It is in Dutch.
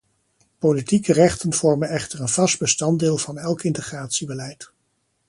Politieke rechten vormen echter een vast bestanddeel van elk integratiebeleid.